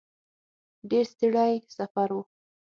ډېر ستړی سفر و.